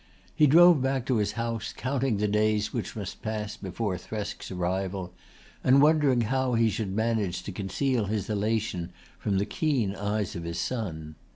He drove back to his house counting the days which must pass before Thresk's arrival and wondering how he should manage to conceal his elation from the keen eyes of his son.